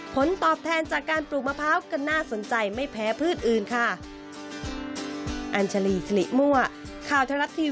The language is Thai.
ผลตอบแทนจากการปลูกมะพร้าวก็น่าสนใจไม่แพ้พืชอื่นค่ะ